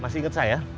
masih inget saya